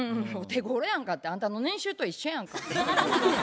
お手ごろやんかってあんたの年収と一緒やんか。